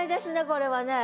これはね。